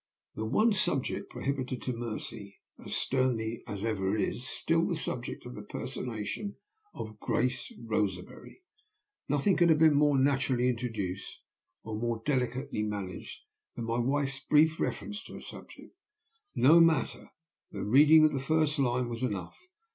The 'one subject' prohibited to Mercy as sternly as ever is still the subject of the personation of Grace Roseberry! Nothing could have been more naturally introduced, or more delicately managed, than my wife's brief reference to the subject. No matter. The reading of the first line was enough.